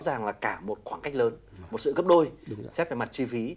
rõ ràng là cả một khoảng cách lớn một sự gấp đôi xét về mặt chi phí